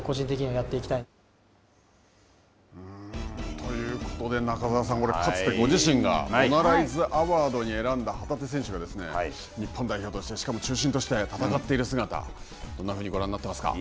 ということで、中澤さん、かつてご自身がボナライズアワードに選んだ旗手選手が日本代表として、しかも中心として戦っている姿、どんなふうにご覧になっていますか。